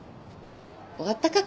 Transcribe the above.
終わったか。